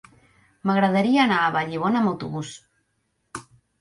M'agradaria anar a Vallibona amb autobús.